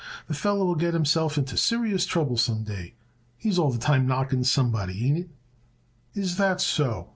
The feller will get himself into serious trouble some day. He's all the time knocking somebody. Ain't it?" "Is that so?"